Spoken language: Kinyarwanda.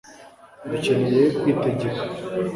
dukeneye kwitegeka